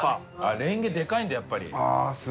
レンゲでかいんだやっぱり。